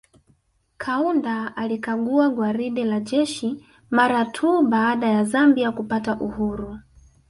Kaunda alikagua gwaride la jeshi mara tu baada ya Zambia kupata uhuru